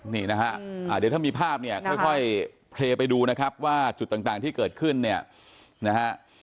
นี่นะฮะเดี๋ยวถ้ามีภาพเนี่ยค่อยเพลย์ไปดูนะครับว่าจุดต่างที่เกิดขึ้นเนี่ยนะฮะ